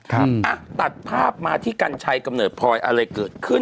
อ่ะตัดภาพมาที่กัญชัยกำเนิดพลอยอะไรเกิดขึ้น